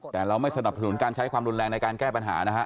แต่เราไม่สนับสนุนการใช้ความรุนแรงในการแก้ปัญหานะฮะ